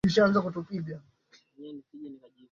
baina ya Tanzania na Uganda na mwisho wa utawala wake